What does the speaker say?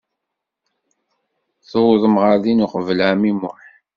Tuwḍem ɣer din uqbel ɛemmi Muḥ.